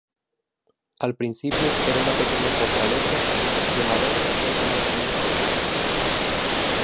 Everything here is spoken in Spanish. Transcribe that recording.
Al principio era una pequeña fortaleza de madera cerca del rio Sula.